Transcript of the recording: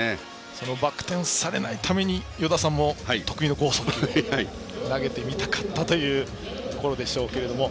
そのバク転されないために与田さんも得意の剛速球を投げてみたかったというところでしょうけども。